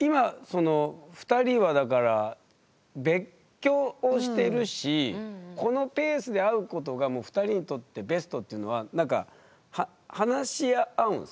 今２人はだから別居をしてるしこのペースで会うことが２人にとってベストっていうのはなんか話し合うんですか？